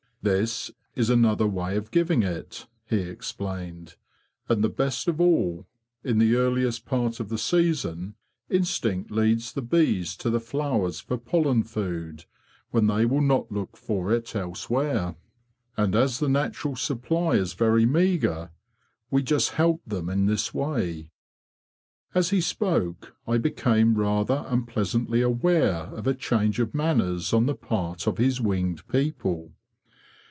"This is another way of giving it,'' he explained, '' and the best of all in the earliest part of the season. Instinct leads the bees to the flowers for pollen food when they will not look for it else 31 32. THE BEE MASTER OF WARRILOW where; and as the natural supply is very meagre, we just help them in this way." As he spoke I became rather unpleasantly aware of a change of manners on the part of his winged people.